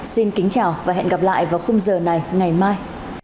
xin kính chào và hẹn gặp lại vào khung giờ này ngày mai